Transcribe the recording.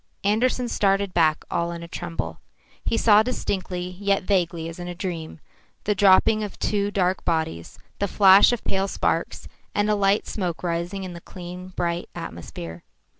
Andersen started back all in a tremble. He saw distinctly, yet vaguely as in a dream, the dropping of two dark bodies, the flash of pale sparks, and a light smoke rising in the clean, bright atmosphere.